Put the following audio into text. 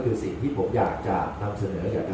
หรือเป็นอีกเรื่องเดี๋ยว